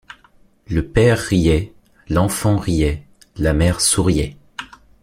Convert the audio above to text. Le père riait, l’enfant riait, la mère souriait.